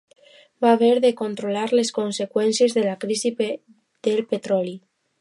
Va haver de controlar les conseqüències de la crisi del petroli.